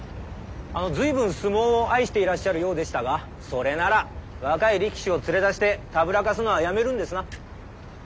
随分相撲を愛していらっしゃるようでしたがそれなら若い力士を連れ出してたぶらかすのはやめるんですな。